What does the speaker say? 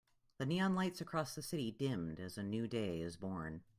The neon lights across the city dimmed as a new day is born.